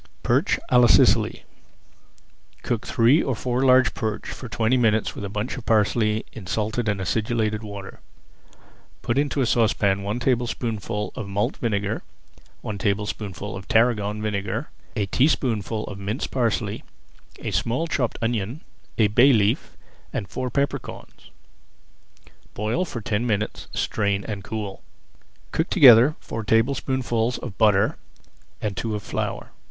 PERCH À LA SICILY Cook three or four large perch for twenty minutes with a bunch of parsley in salted and acidulated water. Put into a saucepan one tablespoonful of malt vinegar, one tablespoonful of tarragon vinegar, a teaspoonful of minced parsley, a small chopped onion, a bay leaf, and four pepper corns. Boil for ten minutes, strain, and cool. Cook together four tablespoonfuls of butter and two of flour.